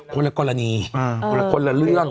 คนละกรณีคนละเรื่อง